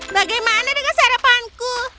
bagaimana dengan sarapanku